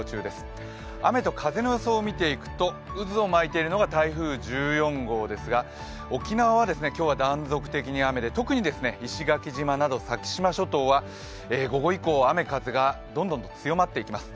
雨と風の予想を見ていくと、渦を巻いているのが台風１４号ですが、沖縄は今日は断続的に雨で特に石垣島など先島諸島は午後以降雨風がどんどん強まっていきます。